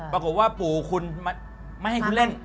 ปรากฏว่าปู่คุณไม่ให้คุณเล่น